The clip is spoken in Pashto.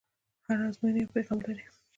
هره ازموینه یو پیغام لري.